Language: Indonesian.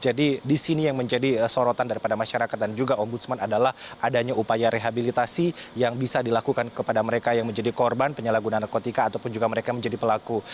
jadi disini yang menjadi sorotan daripada masyarakat dan juga ombudsman adalah adanya upaya rehabilitasi yang bisa dilakukan kepada mereka yang menjadi korban penyalahgunaan narkotika ataupun juga mereka menjadi pelaku